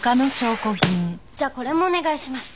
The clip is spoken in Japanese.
じゃあこれもお願いします。